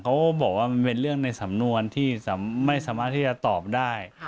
เขาบอกว่ามันเป็นเรื่องในสำนวนที่ไม่สามารถที่จะตอบได้